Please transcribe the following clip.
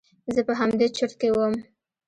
زه په همدې چورت کښې وم.